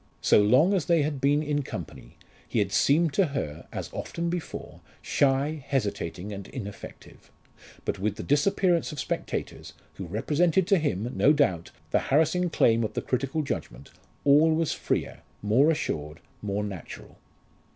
So long as they had been in company he had seemed to her, as often before, shy, hesitating, and ineffective. But with the disappearance of spectators, who represented to him, no doubt, the harassing claim of the critical judgment, all was freer, more assured, more natural.